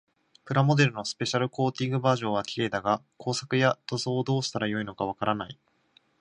プラモデルのスペシャルコーティングバージョンは綺麗だが、工作や塗装をどうしたらよいのかわからない。